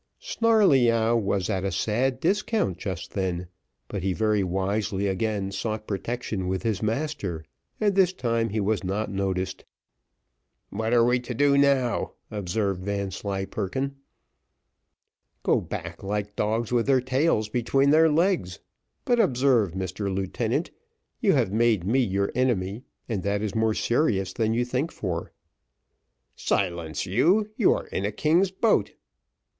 Snarleyyow was at a sad discount just then, but he very wisely again sought protection with his master, and this time he was not noticed. "What are we to do now?" observed Vanslyperken. "Go back again, like dogs with their tails between their legs; but observe, Mr Lieutenant, you have made me your enemy, and that is more serious than you think for." "Silence, sir, you are in a king's boat."